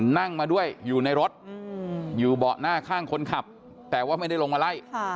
นั่งมาด้วยอยู่ในรถอยู่เบาะหน้าข้างคนขับแต่ว่าไม่ได้ลงมาไล่